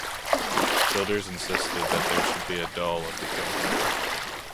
Childers insisted that there should be a doll of the character.